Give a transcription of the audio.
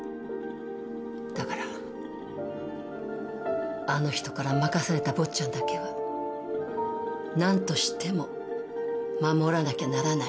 だからあの人から任された坊ちゃんだけはなんとしても守らなきゃならないの。